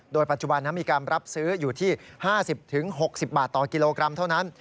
โดยปัจจุบันนั้นมีการรับซื้ออยู่ที่๕๐๖๐บาทต่อกิโลกรัมเท่านั้น